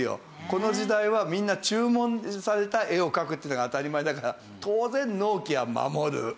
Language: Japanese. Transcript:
この時代はみんな注文された絵を描くっていうのが当たり前だから当然納期は守る。